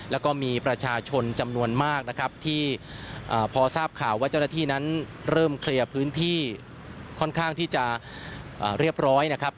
แล้วก็มีประชาชนจำนวนมากนะครับที่พอทราบข่าวว่าเจ้าหน้าที่นั้นเริ่มเคลียร์พื้นที่ค่อนข้างที่จะเรียบร้อยนะครับ